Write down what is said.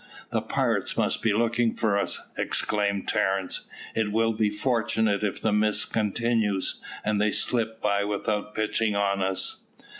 "The pirates must be looking for us," exclaimed Terence; "it will be fortunate if the mist continues, and they slip by without pitching on us."